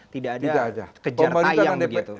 tidak ada kejartai yang begitu